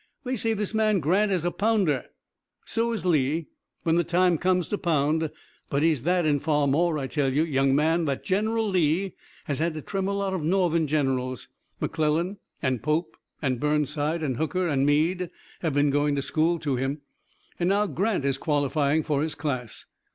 They say this man Grant is a pounder. So is Lee, when the time comes to pound, but he's that and far more. I tell you, young man, that General Lee has had to trim a lot of Northern generals. McClellan and Pope and Burnside and Hooker and Meade have been going to school to him, and now Grant is qualifying for his class."